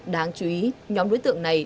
đáng chú ý nhóm đối tượng này